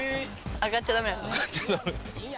上がっちゃダメ。